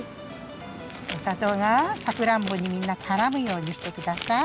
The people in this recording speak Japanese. おさとうがさくらんぼにみんなからむようにしてください。